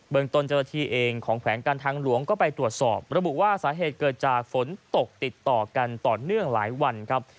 ตนเจ้าหน้าที่เองของแขวงการทางหลวงก็ไปตรวจสอบระบุว่าสาเหตุเกิดจากฝนตกติดต่อกันต่อเนื่องหลายวันครับ